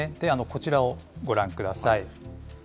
こちらをご覧ください。